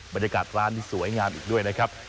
บรรยากาศร้านนี้สวยงามอีกด้วยนะครับ